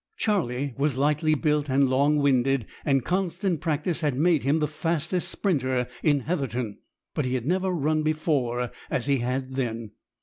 Charlie was lightly built and long winded, and constant practice had made him the fastest "sprinter" in Heatherton. But he had never run before as he had then.